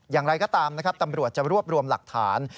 อย่างไรก็ตามนะครับตำรวจจะรวบรวมหลักฐาน